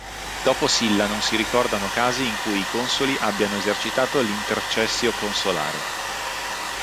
Dopo Silla non si ricordano casi in cui i consoli abbiano esercitato l"'intercessio consolare".